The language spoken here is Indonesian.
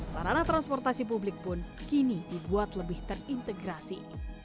sarana transportasi publik pun kini dibuat lebih terintegrasi